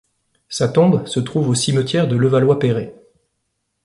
Sa tombe se trouve au cimetière de Levallois-Perret.